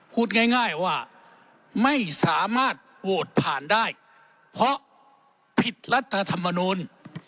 พูดง่ายว่าไม่สามารถโหวตผ่านได้เพราะผิดรัฐธรรมนูล